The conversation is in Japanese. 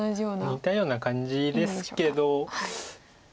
似たような感じですけど。